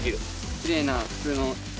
きれいな普通の。